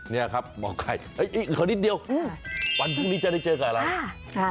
นี่ครับหมอไก่ขอนิดเดียววันพรุ่งนี้จะได้เจอกับเรา